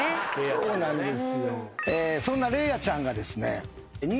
そうなんです。